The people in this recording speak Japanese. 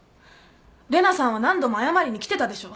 玲奈さんは何度も謝りに来てたでしょ？